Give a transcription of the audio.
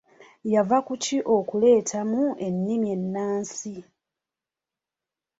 Kyava ku ki okuleetamu ennimi ennansi?